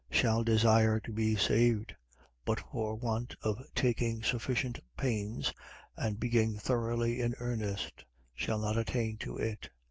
.Shall desire to be saved; but for want of taking sufficient pains, and being thoroughly in earnest, shall not attain to it.